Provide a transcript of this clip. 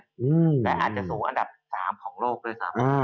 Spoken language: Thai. แต่อาจจะสูงอันดับ๓ของโลกเลยครับ